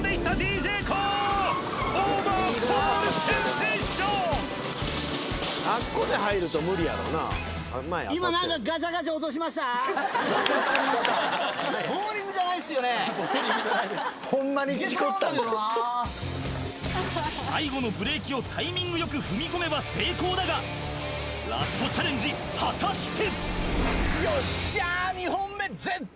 センセーション最後のブレーキをタイミングよく踏み込めば成功だがラストチャレンジ果たして？